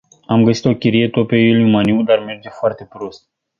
Am găsit o chirie, tot pe Iuliu Maniu, dar merge foarte prost.